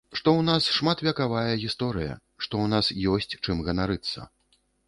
Што ў нас шматвяковая гісторыя, што ў нас ёсць чым ганарыцца.